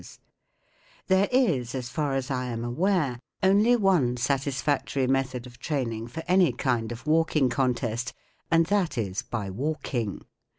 s There is, as far as 1 am aware, only one satis¬ factory method of training for any kind of walking contest, and that is by walking.